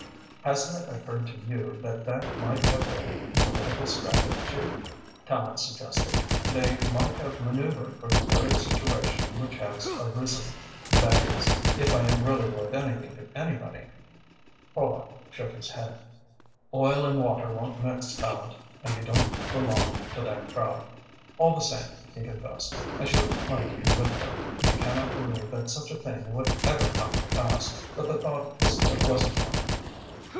"Hasn't it occurred to you that that might have been political strategy?" Tallente suggested. "They might have maneuvered for the very situation which has arisen that is, if I am really worth anything to anybody." Horlock shook his head. "Oil and water won't mix, Tallente, and you don't belong to that crowd. All the same," he confessed, "I shouldn't like you with them. I cannot believe that such a thing would ever come to pass, but the thought isn't a pleasant one."